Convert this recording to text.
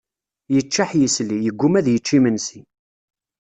Yeččeḥ yisli, yegguma ad yečč imensi.